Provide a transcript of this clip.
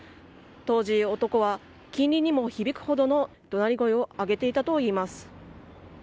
当時、男は近隣にも響くほどの怒鳴り声を上げていたといいます。